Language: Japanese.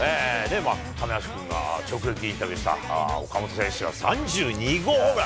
亀梨君が、直撃インタビューした岡本選手が３２号ホームラン。